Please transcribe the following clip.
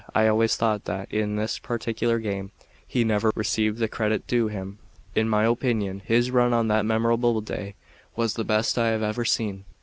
I always thought that in this particular game he never received the credit due him. In my opinion his run on that memorable day was the best I have ever seen.